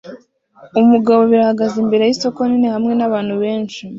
Umugabo babiri ahagaze imbere yisoko nini hamwe nabantu benshi